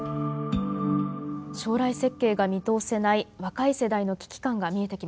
将来設計が見通せない若い世代の危機感が見えてきました。